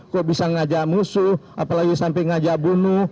kok bisa ngajak musuh apalagi sampai ngajak bunuh